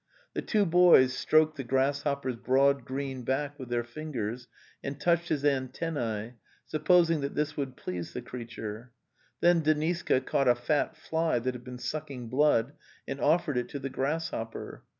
The two boys stroked the grasshopper's broad green back with their fingers and touched his an tennz, supposing that this would please the creature. Then Deniska caught a fat fly that had been suck ing blood and offered it to the grasshopper.